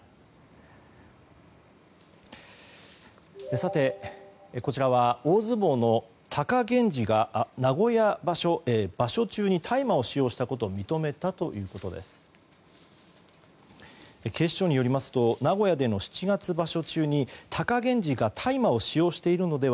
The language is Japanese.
さて、こちらは大相撲の貴源治が名古屋場所の場所中に大麻を使用したことを認めたということです。